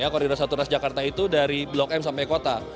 koridor satu transjakarta itu dari blok m sampai kota